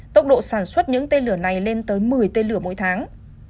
tốc độ sản xuất những tên lửa này lên tới một mươi tên lửa mỗi tháng